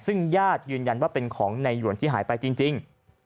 ซึ่งญาติยืนยันว่าเป็นของในหยวนที่หายไปจริง